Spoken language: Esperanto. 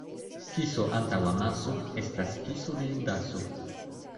Kiso antaŭ amaso estas kiso de Judaso.